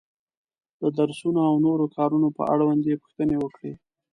د درسونو او نورو کارونو په اړوند یې پوښتنې وکړې.